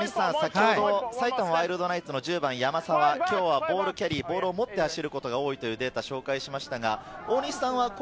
埼玉ワイルドナイツの１０番・山沢、今日はボールキャリー、ボールを持って走ることが多いというデータを紹介しました。